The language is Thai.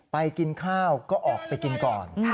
กินข้าวก็ออกไปกินก่อน